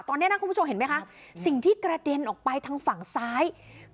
ตอนนี้นะคุณผู้ชมเห็นไหมคะสิ่งที่กระเด็นออกไปทางฝั่งซ้าย